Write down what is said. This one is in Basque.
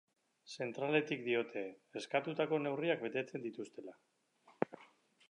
Zentraletik diote, eskatutako neurriak betetzen dituztela.